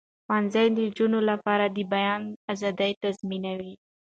ښوونځي د نجونو لپاره د بیان آزادي تضمینوي.